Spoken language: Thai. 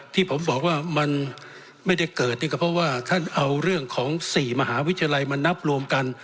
ที่ผมบอกว่ามันยังไม่ได้เกิดแต่เขาเอาเรื่องสี่มหาวิทยาลัยมานับรวมกัน